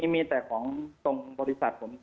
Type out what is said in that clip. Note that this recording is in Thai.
มีแต่ของตรงบริษัทผม